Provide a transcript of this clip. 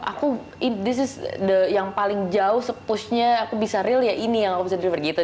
aku this is the yang paling jauh se pushnya aku bisa real ya ini yang aku bisa deliver gitu